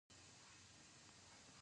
د بادغیس په جوند کې د مسو نښې شته.